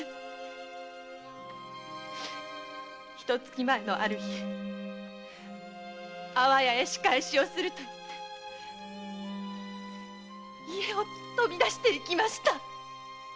一月前のある日安房屋へ仕返しをすると言って家を飛び出していきました！